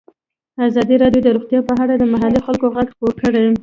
ازادي راډیو د روغتیا په اړه د محلي خلکو غږ خپور کړی.